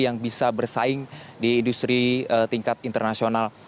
yang bisa bersaing di industri tingkat internasional